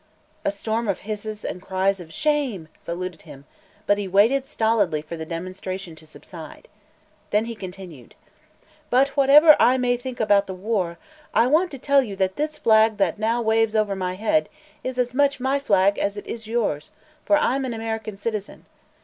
A storm of hisses and cries of "Shame!" saluted him, but he waited stolidly for the demonstration to subside. Then he continued: "But, whatever I think about the war, I want to tell you that this flag that now waves over my head is as much my flag as it is yours, for I'm an American citizen.